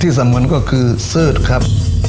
ที่สำหรับนั้นก็คือเสื้อดครับ